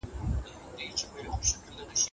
هیوادونه نړیوالو اړیکو ته بې له پاملرنې نه نه ننوځي.